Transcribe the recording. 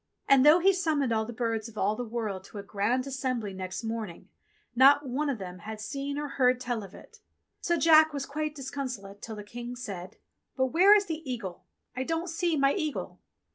And though he summoned all the birds of all the world to a Grand Assembly next morn ing, not one of them had seen or heard tell of it. So Jack was quite disconsolate till the King said, "But where is the eagle ? I don't see my eagle."